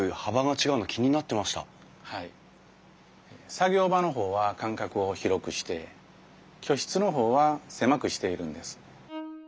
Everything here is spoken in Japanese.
作業場の方は間隔を広くして居室の方は狭くしているんです。